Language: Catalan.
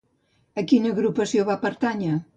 A quina agrupació va pertànyer?